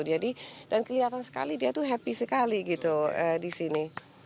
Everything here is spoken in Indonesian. jadi dan kelihatan sekali dia itu happy sekali gitu di sini